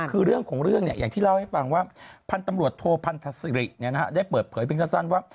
คือเรื่องของครูเนี่ยอย่างที่เล่าให้ฟังว่าพันตำรวจโทพันทัสสิริเนี่ยนะได้เปิดเผยเป็นซะสั้นว่า